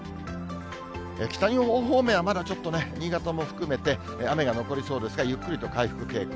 北日本方面はまだちょっとね、新潟も含めて、雨が残りそうですが、ゆっくりと回復傾向。